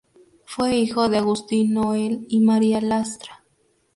Fue hijo de Agustín Noel y María Lastra.